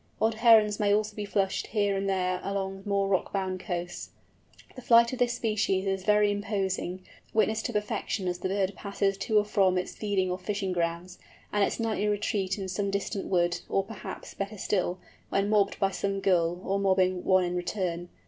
Odd Herons may also be flushed here and there along more rock bound coasts. The flight of this species is very imposing, witnessed to perfection as the bird passes to or from its feeding or fishing grounds, and its nightly retreat in some distant wood; or perhaps, better still, when mobbed by some Gull, or mobbing one in return.